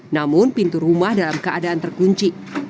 namun pintu rumah dalam keadaan terkunci